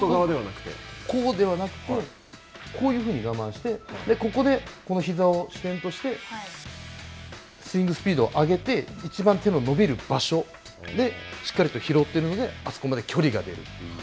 こうではなくてこういうふうに我慢して、ここでこの膝を支点として、スイングスピードを上げていちばん手の伸びる場所でしっかりと拾ってるので、あそこまで距離が出る。